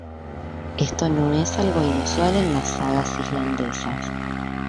Esto no es algo inusual en las sagas islandesas.